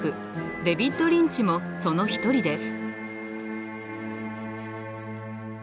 デヴィッド・リンチもその一人です。